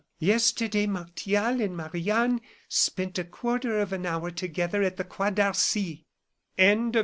Yesterday Martial and Marie Anne spent a quarter of an hour together at the Croix d'Arcy."